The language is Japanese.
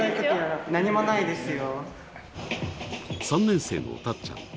３年生のたっちゃん。